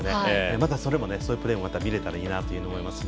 またそういうプレーも見れたらいいなと思いますね。